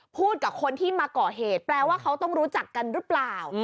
พูดกับคนที่มาก่อเหตุแปลว่าเขาต้องรู้จักกันหรือเปล่า